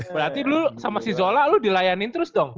berarti dulu sama si zola lu dilayanin terus dong